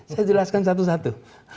saya jelaskan satu satu